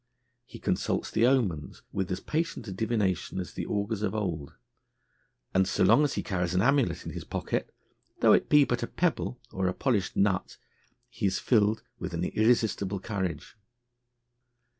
He consults the omens with as patient a divination as the augurs of old; and so long as he carries an amulet in his pocket, though it be but a pebble or a polished nut, he is filled with an irresistible courage.